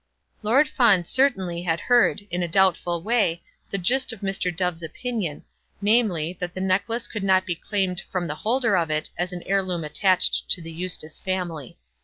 Lord Fawn certainly had heard, in a doubtful way, the gist of Mr. Dove's opinion, namely, that the necklace could not be claimed from the holder of it as an heirloom attached to the Eustace family.